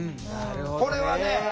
これはね